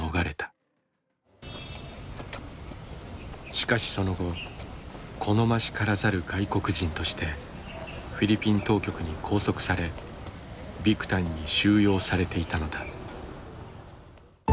しかしその後好ましからざる外国人としてフィリピン当局に拘束されビクタンに収容されていたのだ。